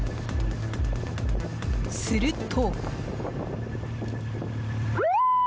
すると。